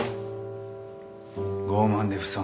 傲慢で不遜。